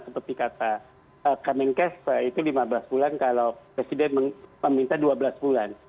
seperti kata kemenkes itu lima belas bulan kalau presiden meminta dua belas bulan